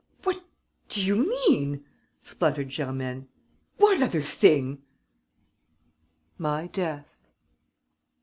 "What do you mean?" spluttered Germaine. "What other thing?" "My death."